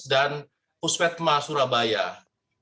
kami juga menyampaikan virus ini ke lab kami yang ada di bb vetwaters